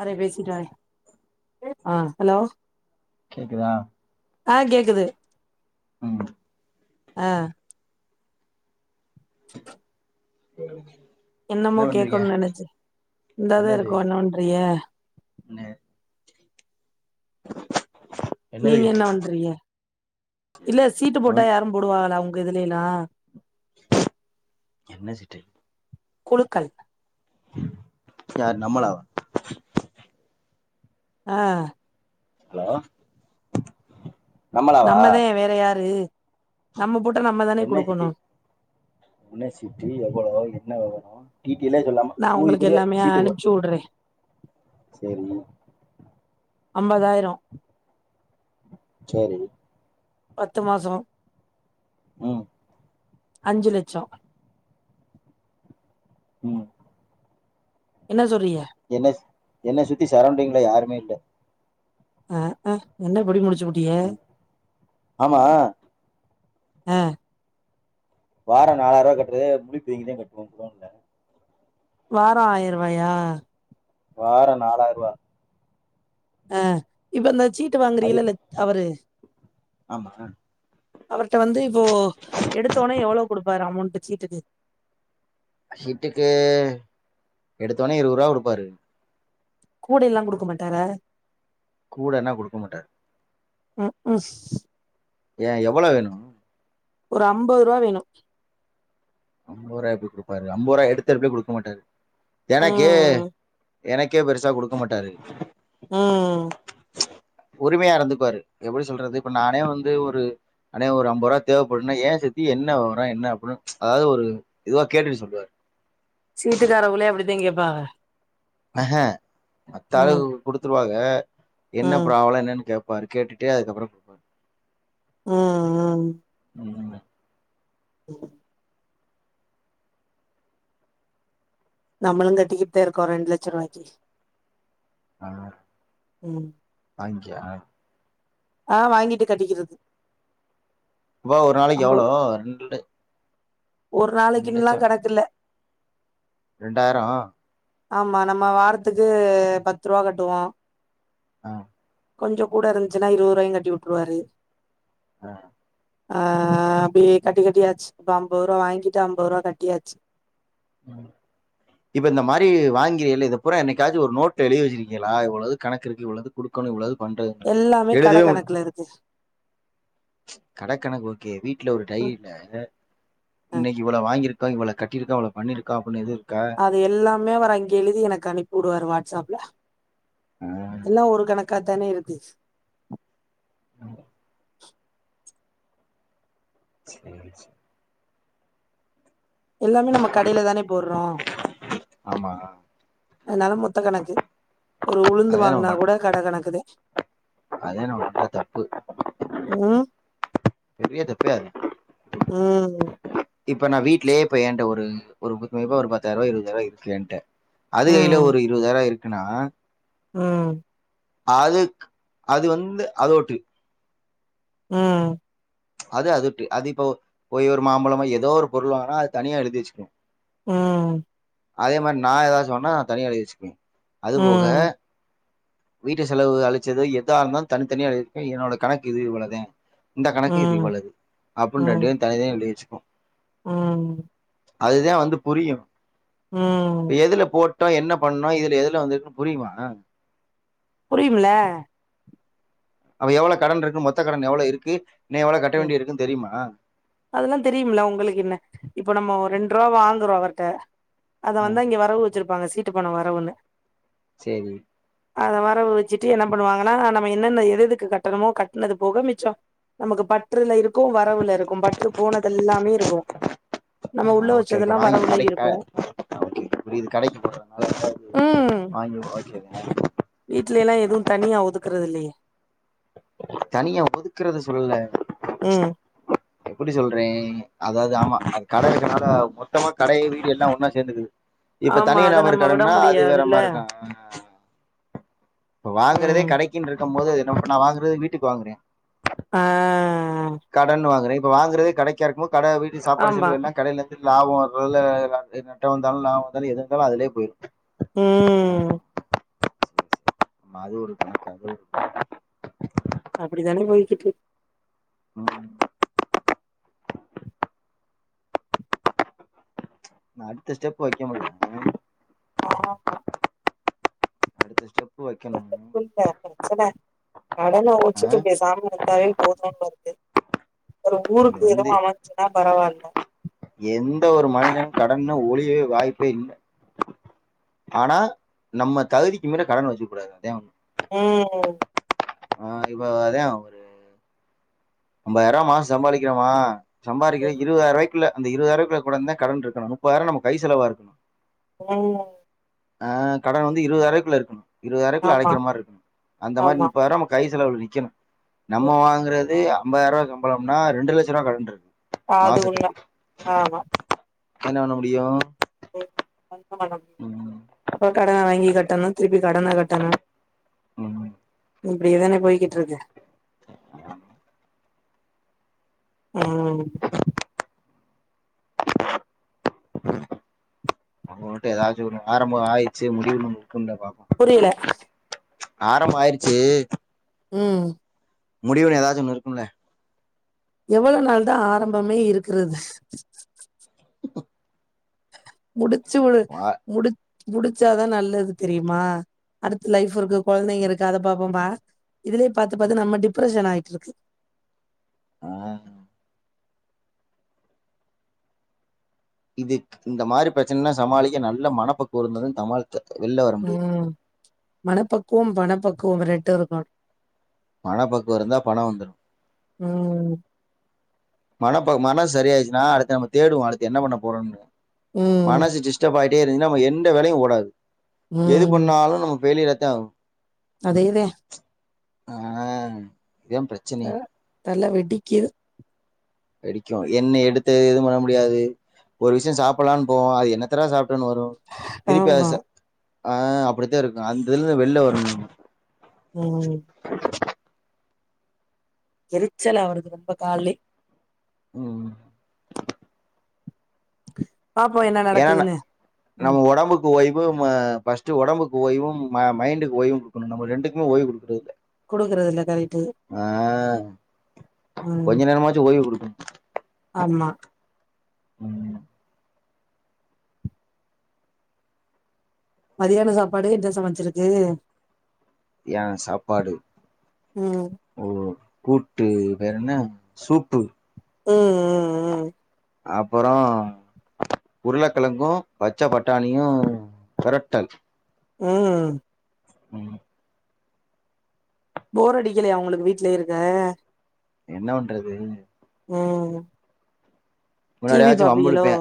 அற பேசிட்டாய் [unintelligible] ஆஹ் ஹலோ கேக்குதா ஆ கேக்குது உம் ஆஹ் [inaudible] உ என்னமோ கேகுன்னு நெனைச்ச இந்தாதா என்னது இருக்கோ என்ன பண்றீக என்ன [inaudible] என்னது நீங்க என்ன கேக்குறீங்க பண்றீங்க இல்ல சீட்டு போட்டா நோன் யாரு போடுவாஹலா உங்க இதுலிலா என்ன சிட்டு குழுக்கள் யாரு நம்மளா ஆஹ் ஹலோ நம்மளாவா நம்மதா வேற யாரு நம்ம போட்டா நம்ம தானே என்ன சிட்டி குடுக்கணு என்ன சிட்டி எவ்வளோ என்ன வெவரோ டீ நா உங்களுக்கு எல்லாமே அனுப்ச்சு உடறே செரிங்க அம்பதாயிர செரி பத்து மாசோ ம் அஞ்சு லெட்சொ ம் என்ன சொல்றீய என்ன என்ன சுத்தி சரௌண்டிங்ல யாருமே இல்ல அ அ என்ன புடி புடி ஆமா ஆ வார நாலாய்ருவா கட்றதே முழி பிதுங்கிதே கட்டுவோ குடோன்ல வாரொ ஆய்ருவாயா வாரொ நாலாய்ருவா ஆ இப்ப இந்த சீட்டு அது வாங்குறீயல்ல லத் அவரு ஆமா அவர்ட்ட வந்து இப்போ எடுத்த ஒன்னே எவ்வளோ குடுப்பாரு அமௌண்ட்டு சீட்டுக்கு சீட்டுக்கு எடுத்தோன்னே இருவருவா குடுப்பாரு கூட எல்லா குடுக்க மாட்டாரா கூடனா குடுக்க மாட்டா ம் ம் ஏ எவ்வளோ வேணு ஒரு அம்பத்ருவா வேணு அம்பருவா எப்டி குடுப்பாரு அம்பருவா எடுத்தெடுப்லே குடுக்க மாட்டாரு எனக்கு ம் எனக்கே பெருசா குடுக்க மாட்டாரு ம் உரிமையா இருந்துக்வாரு எப்டி சொல்றது இப்ப நானே வந்து ஒரு அண்ணே ஒரு ஐம்பருவா தேவப்படுனா ஏ சத்தி என்ன வெவரொ என்ன அப்டினு அதாவ்து ஒரு இதுவா கேட்டுட்டு சொல்வாரு சீட்டுக்காரவுலே அப்டித்தா கேப் பாக ஆஹ மத்தாளுவு குடுத்துருவா ஏ என்ன ம் ப்ராப்லொ என்னன்னு கேப் ப்பாரு கேட்டுட்டே அதுக்கப்புறோ ம் ம் ஒண்ணு இல்ல [unintelligible] நம்மளுங்க டித்தெட்டு இருக்கோ ரெண்டுலெட்ச ரூபாய்க்கு அ அஞ் யான் ஆ வாங்கிட்டு கட்டிக்கிறது இப்ப ஒரு நாளைக்கு நம்ப எவ்ளோ ரெண்டு ஒரு ரெண்டு நாளைக்குன்னல்லா லட்சோ கணக்கு இல்ல ரெண்டாயிரோ ஆமா நம்ம வாரத்துக்கு பத்துருவா கட்டுவோ ஆ கொஞ்ச கூட இருந்ச்னா இருவதுருவாயு கட்டி உட்ருவாரு ஆ ஆ அப்டியே கட்டி கட்டியாச்சு இப்ப அம்பதுருவா வாங்கிட்டு அம்பதுருவா கட்டியாச்சு இப்ப இந்த மாரி வாங்கிறீல இதப்பூரா என்னைக்காச்சு ஒரு நோட்ல எழுதி வச்சிருக்கிகளா இவ்ள இது கணக்கிருக்கு இவ்ள இது குடுக்கணு இவ்ள இது பண்றது எல்லாமே கட எழுதவே மா கணக்குல இருக்கு கடகணக்கு ஓகே வீட்ல ஒரு ம் டைரில அ இன்னைக்கு இவ்ள வாங்கிருக் இவ்ள கட்டிருக்கோ இவ்ளோ பண்ணிருக்கா அப்டின் எது அது எல்லாமே வர அங்கெ எழுதி எனக்கு அனுப்பி விடுவாரு வாட்ஸ்அப்ல ஆ எல்லாம் ஒரு கணக்கா தானே இருத்துச்சி [unintelligible] எல்லாமே நம்ம கடையில தானே போடுறோம் ஆமா அதனால மொத்த கணக்கு ஒரு உளுந்து வாங்குனா கூட கடை கணக்குதா அதா எனோட [unintelligible] தப்பு ம் பெரிய தப்பே அதா ம் இப்ப நா வீடலயே போய் ஏண்ட ஒ ரு ஒரு குத்துமதிப்பா ஒரு பத்தாயிரூபா இருபதாயிரரூபா இருக்கலன்ட்ட அது கையில ம் ஒரு இருபதாயிரம் இருக் நா ம் அதுக் அது வந்து அதோட்டு ம் அது அது அது இப்ப போய் ஒரு மாம்பழமோ ஏதோ ஒரு பொருள் வாங்குனா அது தனியா எழுதி வச்சுக்கணு ம் அதே மாரி நா ஏதாவது சொன்னா தனியா எழுதி வச்சுகுங்க அது போக ம் வீட்டு செலவு அழிச்சது எதாருந்தாளு தனித்தனியா எழுதியிருக்க என்னோட கணக்கு இது இவ்ளத இந்த இது ம் போலது அப்புன் ம் ரெண்டையு தனிதனியா எழுதி வெச் ம் அதுதே வந்து புரியு இப்ப ம் எதுல போட் டு என்ன பண்ணோ இதுல எதுல வந்துருக்குன்னு புரியுமா புரியுமில்ல அப்ப எவ்ளோ கடன் இருக்கு மொத்த கடன் எவ்ளோ இருக்கு இன்னு எவ்ளோ கட்ட உம் வேண்டி இருக்குன்னு தெரியுமா அதெல்லா தெரியும் இல்ல உங்களுக்கு என்ன இப்ப நம்ம ரெண்டு ருவா வாங்கறோ அவர்ட்ட அத ஆ வந்தா இங்க வரவு வச்சிருப் ப்பாங்க சீட்டு பண வரவுன்னு செரி அத வரவு வச்சுட்டு என்ன பண்ணுவாங்கன்னா நம்ம என்னென்ன எதுஎதுக்கு கட்டணுமோ கட்னது போக மிச்ச நமக்கு பட் ருல்ல இருக் க்கு வரவுல இருக்கு பற்று போனதெல்லாமே இருக்கு நம்ம உள்ள ஓகே ஓகே வச்சதெல்லாம் வாங்கி வரவுல கடைக்கு இருக்கு ஓகே புரியுது கடைக்கு போடுறதுனால உம் வாங்கி ஓகே வீட்ல எல்லா எதுவு தனியா ஒதுக்குறது இல்லையே தனியா ஒதுக்குறத சொல்லல ம் எப்டி சொல்றேன் அதாவது ஆமா அது கடை இருக்கனால மொத்தமா கடைய வீடு எல்லா ஒன்னா சேந்துக்குது இப்ப ஆமா தனி அத நபர் நம்ம விட கடன்னா அது வேற முடியாதுல்ல மாரி இருக்கு ஆஹ் இப்ப வாங்கறதே ம் கடைக்கினு இருக்கும் போது இப்ப நா வாங்க றது இப்ப வீட்டுக்கு வாங்குறே ஆஹ் கடன் வாங்குறே இப்ப வாங்குறதே கடைக்கா இருக்குமோது கட வீட்டு சாப்பாடு ஆமா செலவு எல்லா கடையில இருந்து லாப வரு இல்ல நட்டம் வந்தாலு லாப வந்தாலு எது வந்தாலு அதுலே போயிடு ம் ஆமா அது ஒரு கணக்கு அது ஒரு கணக்கு அப்டித்தானே போய்கிட்டுரு உம் நா அடுத்த ஸ்டெப் வக்க முடியு ம் ஆஹ் அடுத்த ஸ்டெப் வைக்கணு எங்க ஸ்கூல்ல ப்ரச்சன கடன ஆ ஒலிச்சிட்டு பேசாம இருந்தாலே போதுன்னு இருக்கு ஒரு அது ஊருக்கு வந்து இதுவு அமஞ்ச்சுன்னா பரவால்ல எந்த ஒரு மனிதனும் கடன ஒளியவே வாய்ப்பே இல்ல ஆனா நம்ம தகுதிக்கு மீற கடன் வச்சுக்க கூடாது அதே உண் உம் ஆஹ் இப்ப அதா ஒரு அம்பதாயிரோ மாசோ சம்பாரிக்கிறமா சம்பாதிக்கிற இருவதாயிருவா இல்லே அந்த இருவதாயிருவாகுலடந்தா கடன் இருக்கணு முப்பதாயிரம் நம்ம கை செலவா இருக்கணு ம் ஆ கடன் வந்து இருவதாயிரம்ரூபாக்குள்ள இருக்கணு இருவதாயிருபாக்குள்ள ஆமா அடைக்கிற மாரி இருக்கனு அந்த மாரி ஆமா முப்பதாயிரூவா நம்ம கை செலவுல நிக்கணு நம்ம ம் வாங்குறது அம்பதாயிருவா சம்பளம்னா ரெண்டு லட்ச ரூவா கடன் இருக்கு அது உண்மை மாசத்துக்கு ஆமா என்ன பண்ண முடியு ஓ அன் [unintelligible] [unintelligible] அப்ப கடன வாங்கி கட்டணும் திருப்பி கடன கட்டணும் ம் இப்படியே தானே போய்கிட்டு இருக்கு ஆ [inaudible] ம் அவங்க கிட்ட ஏதாச்சு ஒன்னு ஆரம்போ ஆய்ச்சு முடிவுனு ஒண்ணு உண்ட பாப்போ புரியல [unintelligible] ஆரம்பாயிருச்சு ம் முடிவுன்னு ஏதாச்சு ஒண்ணு இருக்கும்ல்ல எவ்ளோ நாள் தா ஆரம்பமே இருக்கறது ப முடு ச்சுபுடுவ முடி முடிச்சாதா நல்லது தெரியுமா அடுத்து லைஃப் இருக்கு கொழந்தைங்க இருக்கு அத பாப்போமா இதுலே பாத்து பாத்து நம்ம டிப்ரஷன் ஆயிட்டிருக்கு ஆ இதே இந்த மாரி பிரச்சனனா சமாளிக்க நல்ல மனப்பக்குவ இருந்தா தான் சமாளி ம் மனப்பக்குவம் வணப்பக் கோவ ரெட்டு இருக்கா மண பக்குவ இருந்தா பண வந்துரு ம் மனப்ப மனோ சரி மணப்பக் மன சரிஆயிடுச்சுனா அடுத்து நம்ம தேடுவோ அடுத்து என்ன பண்ண போறோம்னு ம் மனசு டிஸ்டர்ப் ஆய் இப்பிடியே இருந்துச்சுனா அப்பர எந்த வேலயு ஓடாது எது ம் பண்ணாலு நம்ம ஃபெயிலியர் தாவு அதேதே ஆ இதான் பிரச்சனையே தல வெடிக்குது வெடிக்கு என்ன எடுத்து எது பண்ண முடியாது ஒரு விஷய சாப்படலான்னு போவோ அது என்னத்தடா சாப் வரு திருப்பி அது ஆமா ச ஆ அப்படித்தா இருக்கு அந்த இதுலந்து வெளிவ வரணு நீ ம் எரிச்சலா வருது ரொம்ப காலலே ம் பாப்போ என்ன ஏனா ந நடக்குதுன்னு ம் நம்ம ஒடம்புக்கு ஓய் போ ம பர்ஸ்ட் ஒடம்புக்கு ஓய்வும் ம மைண்டுக்கு ஓய்வு கொடுக்குனு நம்ம ரெண்டுக்குமே ஓய்வு கொடுக்குறதுல குடுக்குறது இல்ல கரெக்ட்டு ஆஹ் ம் கொஞ்ச நேரமாச்சு ஓய்வு குடுக்னு ஆமா ம் மதியான சாப்பாடு என்ன சமச்சிருக்கு ஏ சாப்பாடு ம் ஓ கூட்டு பேரேன்ன சூப்பு ம் ம் ம் அப்பறம் உருளக்கெழங்கும் பச்சை பட்டாணியும் பெரட்டல் ம் ம் போரடிக்கலயா உங்களுக்கு வீட்லயே இருக்க என்ன பண்றது ம் டிவி முன்னாடியாச்சு பாப்பீகளோ வம்புளிப்பே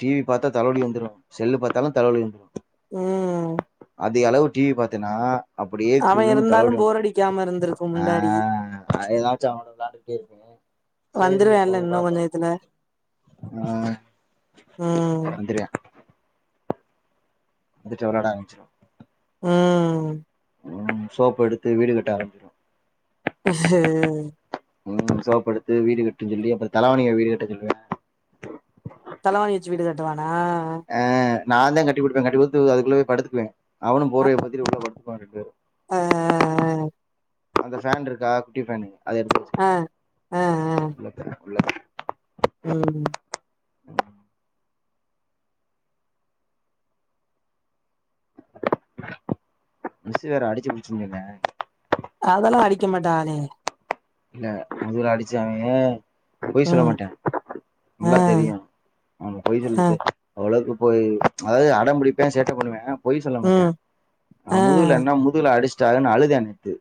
டி வி பாத்தா தலவலி வந்துரு செல்லு பாத்தாலு தலவலி வந்துரு ம் அதிகளவு டி வி பாத்தின்னா அப்படியே அவ கிர்ருனு இருந்தாலு தலவலி வந்துடு போர் அடிக்காம இருந்திருக்கு ஆ முன்னாடி ஏதாச்சு அவங்களோ விளாண்டுக்கிட்டே இருப்பே சேரி இப்போ வந்துருவேன்ல இன்னு பாப்போ கொஞ்ச நேரத்துல ஆ ம் வந்திருயா வந்துட்டு வெளயாட ஆரமுச்சுரு ம் உ சோப்ப எடுத்து வீடு கட்ட ஆரம்ப்சிடு உ சோப்படுத்து வீடு கட்டன்னு சொல்லி அப்புற தலவாணில வீடு கட்ட சொல்லுவ தலவானி வச்சு வீடு கட்டுவா ஆ நாந்தா கட்டி கொடுப்பே கட்டி கொடுத்து அதுக்குள்ள போய் படுத்துக்குவே அவனும் போர்வய போத்திட்டு உள்ள ப பாருக்கு ஆ ஆ ஆ அந்த ஃபேன் இருக்கா குட்டி ஃபேன் அத எடுத்து அ வெச்சுக்குங்க அ அ அ [inaudible] உள்ள ம் மிஸ்சு வேற அடிச்சு புடிச்சின் சொன்னே அதெல்லா அடிக்க மாட்டாகளே இல்ல முதுகுல அடிச்சாங்கே பொய் சொல்ல ம் மாட்டே அ நல்லா தெரியு அவ பொய் அ சொல்றது அவ்ளக்கு பொய் அதாது அடம்பிடிப்பே சேட்ட பண்ணுவே பொய் சொல்ல மாட்டே ம் ஆ அ முதுகுல என்ன முதுல அடிச் சிட்டாங்கன் அழுதே நேத்து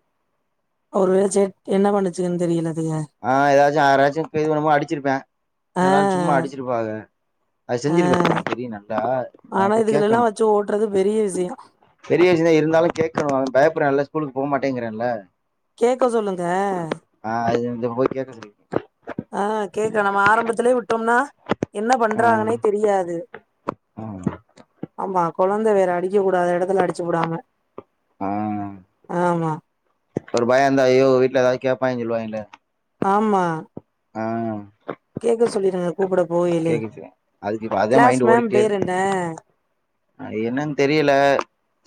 ஒருவே சேட் என்ன பண்ணுச்சுங்கனு தெரியல அதுக ஆ எதா யாரயாச்சி தீவிரமா அடிச்சிருப்பே அ இல்லனா சும்மா அடிச்சிருப்பாக அத செஞ்சுருப்பே அ எனக்கு தெரியு நல்லா நா ஆனா போய் கேக்கணு இதுகளெல்லாம் வச்சு ஓட்டுறது பெரிய விஷயம் பெரிய விஷயந்தா இருந்தாலு கேக்கணு அவ பய ப்டறான்ல ஸ்கூலுக்கு போக மாட்டேங்கிறான்ல கேக்க சொல்லுங்க இப்ப போய் கேக்க சொல்லி ஆ கேக்க நாம ஆரம்பத்துலயே உட் டோம்னா என்ன ஆ பண்றாங்கனே தெரியாது ஆ ஆமா கொழந்த வேற அடிக்க கூடாத எடத்துல அடிச்சு புடாங்க ஆ ஒரு பய இருந்தா ஐயோ வீட்ல எதாது கேப்பாய்ங் சொல்லுவாய்ங்கலே ஆமா ஆ கேக்க சொல்லிருங்க கூப்புட போகையிலே கேக்குச்சு அதுக்கு இப்ப அதா கிளாஸ் மைண்டு மேம் ஓடிய்ட்டே பேர் இருக் என்ன அ என்னன் தெரியல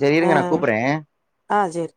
செரி ஆ இருங்க நா கூப்புர்றே ஆ சேர்